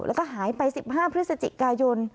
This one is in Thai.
แล้วก็หายไป๑๕พฤศจิกายน